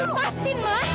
udah lepasin ma